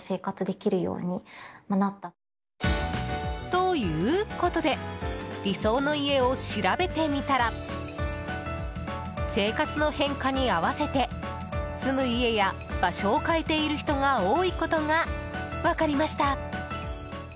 ということで理想の家を調べてみたら生活の変化に合わせて住む家や場所を変えている人が多いことが分かりました。